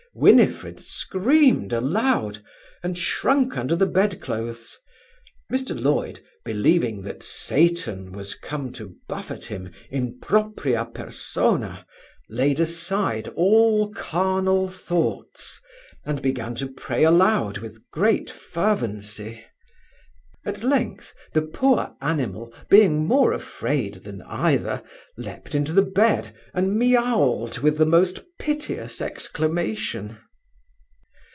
Winifred screamed aloud, and shrunk under the bed cloaths Mr Loyd, believing that Satan was come to buffet him in propria persona, laid aside all carnal thoughts, and began to pray aloud with great fervency. At length, the poor animal, being more afraid than either, leaped into the bed, and meauled with the most piteous exclamation.